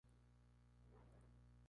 Tenía el grado de comandante.